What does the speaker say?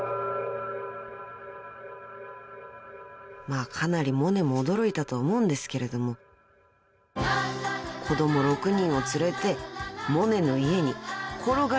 ［まあかなりモネも驚いたと思うんですけれども子供６人を連れてモネの家に転がり込んできたんですね］